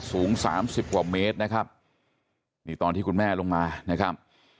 สูงสามสิบกว่าเมตรนะครับนี่ตอนที่คุณแม่ลงมานะครับ